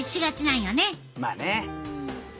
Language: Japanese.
まあね！